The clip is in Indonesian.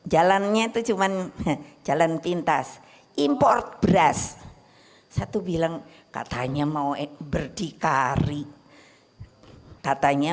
jalannya itu cuman jalan pintas import beras satu bilang katanya mau berdikari katanya